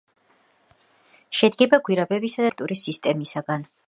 შედგება გვირაბებისა და დარბაზების რთული კომპლექსური სისტემისაგან.